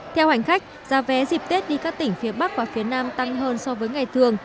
theo hành khách giá vé dịp tết đi các tỉnh phía bắc và phía nam tăng hơn so với ngày thường